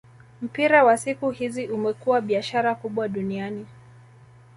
Mpira wa siku hizi umekuwa biashara kubwa duniani